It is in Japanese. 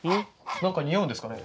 何か臭うんですかね？